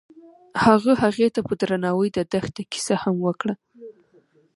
هغه هغې ته په درناوي د دښته کیسه هم وکړه.